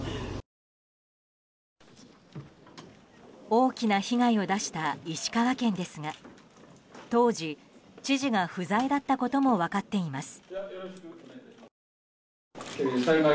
大きな被害を出した石川県ですが当時、知事が不在だったことも分かっています。